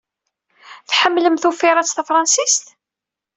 Tḥemmlem tufiṛat tafṛansit?